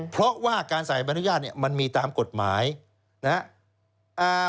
เพราะว่าการใส่ใบอนุญาตเนี่ยมันมีตามกฎหมายนะครับ